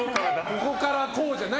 ここからこうじゃない。